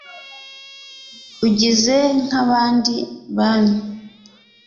ugize nk'abandi bami